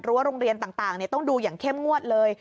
ว่าโรงเรียนต่างต้องดูอย่างเข้มงวดเลย